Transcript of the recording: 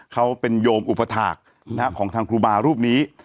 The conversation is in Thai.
เขาเป็นโยมอุปถาคของทางครูบารูปนี้